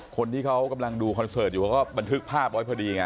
คนที่เขากำลังดูคอนเสิร์ตอยู่เขาก็บันทึกภาพไว้พอดีไง